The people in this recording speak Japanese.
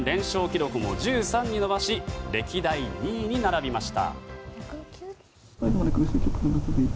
記録も１３に伸ばし歴代２位に並びました。